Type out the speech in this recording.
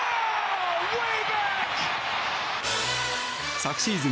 昨シーズン